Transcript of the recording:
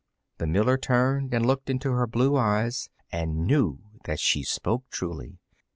The miller turned and looked into her blue eyes, and knew that she spoke truly.